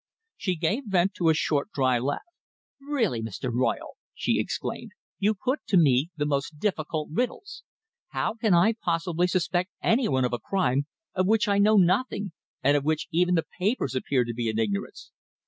She gave vent to a short dry laugh. "Really, Mr. Royle," she exclaimed, "you put to me the most difficult riddles. How can I possibly suspect anyone of a crime of which I know nothing, and of which even the papers appear to be in ignorance?"